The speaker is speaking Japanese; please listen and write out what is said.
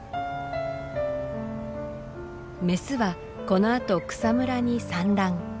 メスはこのあと草むらに産卵。